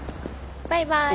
バイバイ。